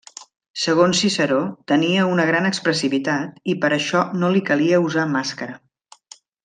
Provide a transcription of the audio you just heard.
Segons Ciceró tenia una gran expressivitat i per això no li calia usar mascara.